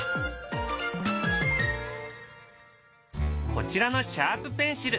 こちらのシャープペンシル。